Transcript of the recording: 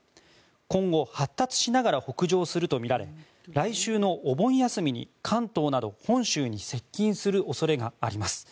今後、発達しながら北上するとみられ来週のお盆休みに関東など本州に接近する恐れがあります。